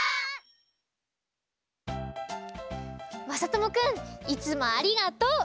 まさともくんいつもありがとう！